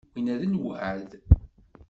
Winna d lweεd.